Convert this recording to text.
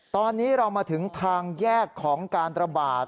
ตอนนี้เรามาถึงทางแยกของการระบาด